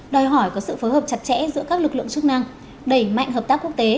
đòi hỏi có sự phối hợp chặt chẽ giữa các lực lượng chức năng đẩy mạnh hợp tác quốc tế